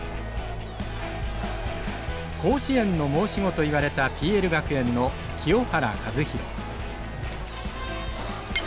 甲子園の申し子といわれたＰＬ学園の清原和博。